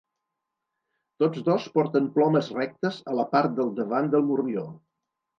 Tots dos porten plomes rectes a la part del davant del morrió.